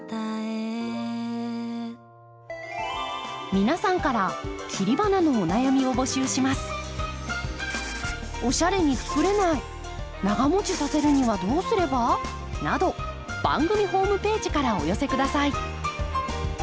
皆さんから切り花のお悩みを募集します。など番組ホームページからお寄せください。